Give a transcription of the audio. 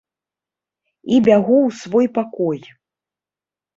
І бягу ў свой пакой.